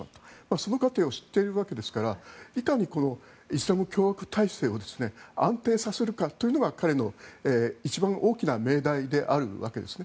その過程を知っているわけですからいかにイスラム共和体制を安定させるかというのが彼の一番大きな命題であるわけですね。